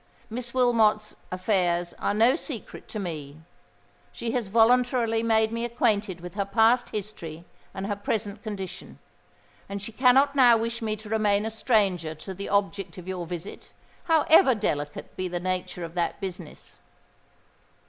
Miss Wilmot's affairs are no secret to me;—she has voluntarily made me acquainted with her past history and her present condition—and she cannot now wish me to remain a stranger to the object of your visit, however delicate be the nature of that business."